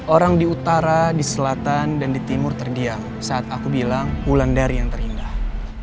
orang di utara di selatan dan di timur terdiam saat aku bilang wulandari yang terindah